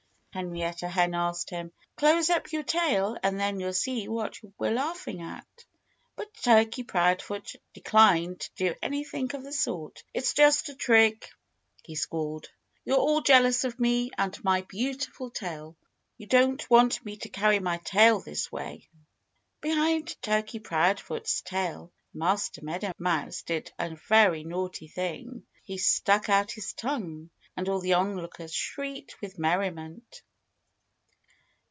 Henrietta Hen asked him. "Close up your tail and then you'll see what we're laughing at." But Turkey Proudfoot declined to do anything of the sort. "It's just a trick," he squalled. "You're all jealous of me and my beautiful tail. You don't want me to carry my tail this way." Behind Turkey Proudfoot's tail Master Meadow Mouse did a very naughty thing. He stuck out his tongue. And all the onlookers shrieked with merriment.